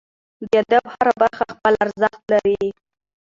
د ادب هره برخه خپل ارزښت لري.